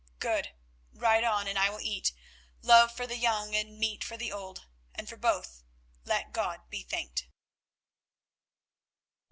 "Good; write on and I will eat. Love for the young and meat for the old, and for both let God be thanked."